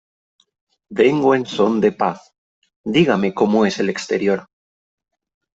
Vengo en son de paz . Dígame como es el exterior .